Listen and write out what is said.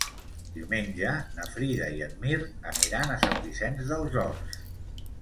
Diumenge na Frida i en Mirt aniran a Sant Vicenç dels Horts.